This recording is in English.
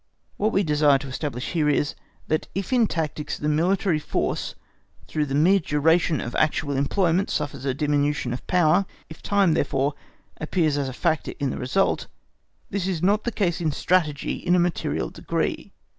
What we desire to establish here is, that if in tactics the military force through the mere duration of actual employment suffers a diminution of power, if time, therefore, appears as a factor in the result, this is not the case in Strategy in a material degree.